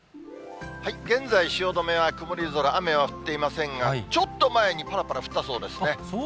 現在、汐留は曇り空、雨は降っていませんが、ちょっと前にぱらぱら降ったそうですね。